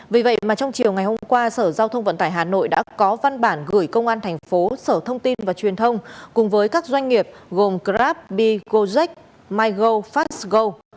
vì vậy mà trong chiều ngày hôm qua sở giao thông vận tải hà nội đã có văn bản gửi công an thành phố sở thông tin và truyền thông cùng với các doanh nghiệp gồm grab bi gojec migo fastgo